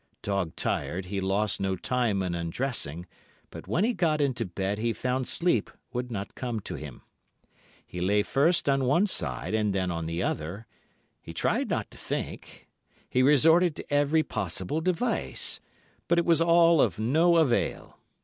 Dog tired, he lost no time in undressing, but when he got into bed he found sleep would not come to him. He lay first on one side and then on the other, he tried not to think, he resorted to every possible device, but it was all of no avail.